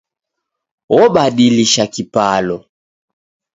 Obadilisha kipalo